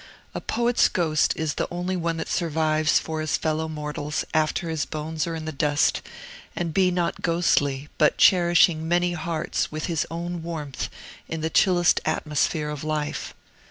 A poet's ghost is the only one that survives for his fellow mortals, after his bones are in the dust, and be not ghostly, but cherishing many hearts with his own warmth in the chillest atmosphere of life.